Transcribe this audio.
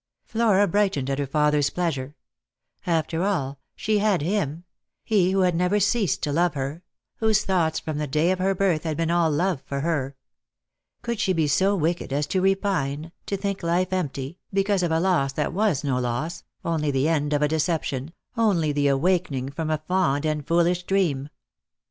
Flora brightened at her father's pleasure. After all, she had him ; he who had never ceased to love her ; whose thoughts, from the day of her birth, had been all love for her. Could she be so wicked as to repine, to think life empty, because of a loss that was no loss, only the end of a deception, only the awaken ing from a fond and foolish dream